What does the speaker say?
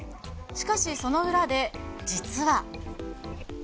しかしその裏で、実は。